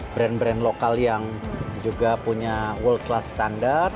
brand brand lokal yang juga punya world class standar